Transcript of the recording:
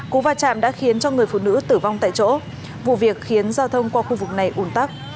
cú va chạm đã khiến cho người phụ nữ tử vong tại chỗ vụ việc khiến giao thông qua khu vực này ủn tắc